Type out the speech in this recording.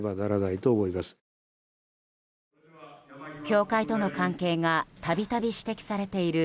教会との関係が度々、指摘されている